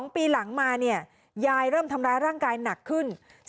๒ปีหลังมาเนี่ยยายเริ่มทำร้ายร่างกายหนักขึ้น